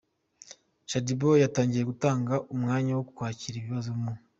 Shadyboo yatangiye gutanga umwanya wo kwakira ibibazo mu